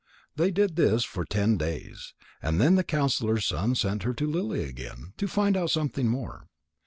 They did this for ten days, and then the counsellor's son sent her to Lily again, to find out something more.